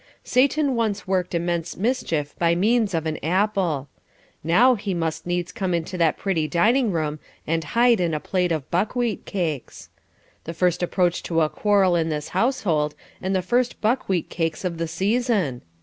Satan once worked immense mischief by means of an apple; now he must needs come into that pretty dining room and hide in a plate of buckwheat cakes. The first approach to a quarrel in this household, and the first buckwheat cakes of the season!